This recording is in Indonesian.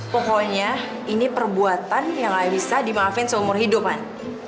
pokoknya ini perbuatan yang gak bisa dimaafin seumur hidupan